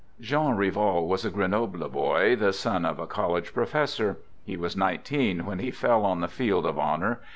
JEAN RIVAL Jean Rival was a Grenoble boy, the son of a col lege professor. He was nineteen when he fell on the field of honor.